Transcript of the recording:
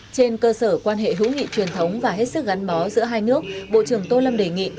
trên cơ sở quan hệ hữu nghị truyền thống và hết sức gắn bó giữa hai nước bộ trưởng tô lâm đề nghị